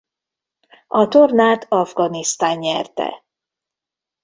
A tornát Afganisztán nyerte.